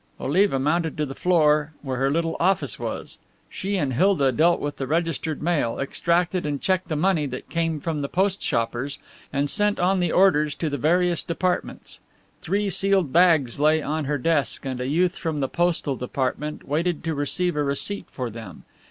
Oliva mounted to the floor where her little office was. She and Hilda dealt with the registered mail, extracted and checked the money that came from the post shoppers and sent on the orders to the various departments. Three sealed bags lay on her desk, and a youth from the postal department waited to receive a receipt for them.